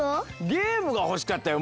ゲームがほしかったよ。